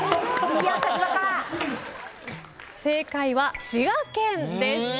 正解は滋賀県でした。